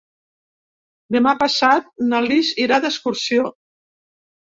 Demà passat na Lis irà d'excursió.